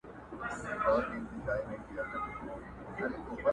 د ځوانۍ عمر چي تېر سي بیا په بیرته نه راځینه؛